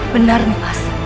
benar nih mas